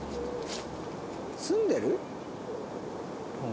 住んでる？